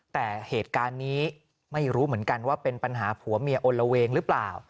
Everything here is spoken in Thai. แต่เหตุการณ์นี้ไม่รู้เหมือนกันว่าเป็นปัญหาผัวเมียอลละเวงหรือเปล่า